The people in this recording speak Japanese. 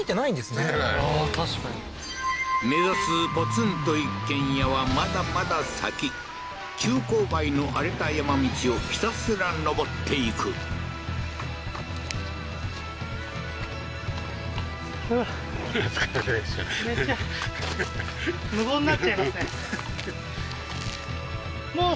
確かに目指すポツンと一軒家はまだまだ先急勾配の荒れた山道をひたすら上っていくおおー本当だ